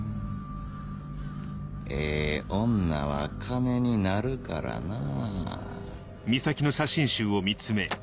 ええ女は金になるからなぁ。